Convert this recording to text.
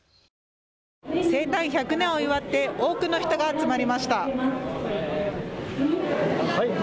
生誕１００年を祝って多くの人が集まりました。